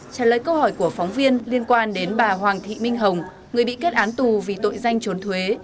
trả lời câu hỏi của phóng viên liên quan đến bà hoàng thị minh hồng người bị kết án tù vì tội danh trốn thuế